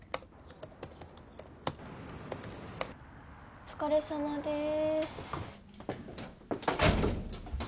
お疲れさまです